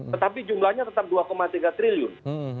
tetapi jumlahnya tetap dua tiga triliun